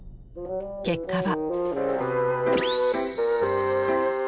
結果は。